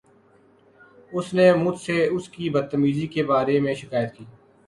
اُس نے مجھ سے اس کی بد تمیزی کے بارے میں شکایت کی۔